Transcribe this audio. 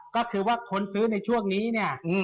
ก็คือว่าคนซื้อในช่วงนี้เนี่ย